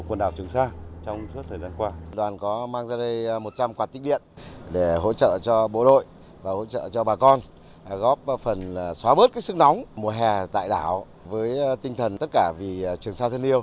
chào bà con góp phần xóa bớt sức nóng mùa hè tại đảo với tinh thần tất cả vì trường sa thần yêu